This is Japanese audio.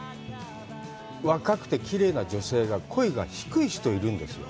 若くてきれいな女性は声が低い人がいるんですよ。